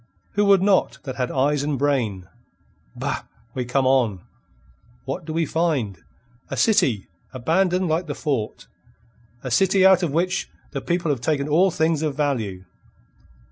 Who would not that had eyes and brain? Bah! we come on. What do we find? A city, abandoned like the fort; a city out of which the people have taken all things of value.